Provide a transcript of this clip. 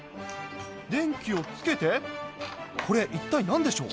電気をつけてこれ一体何でしょう？